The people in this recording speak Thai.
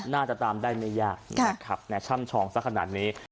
น่าจะตามได้ไม่ยากนะครับช่ำชองสักขนาดนี้